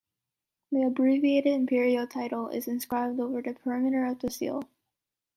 The Abbreviated Imperial Title is inscribed over the perimeter of the Seal.